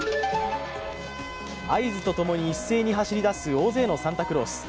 合図とともに一斉に走り出す大勢のサンタクロース。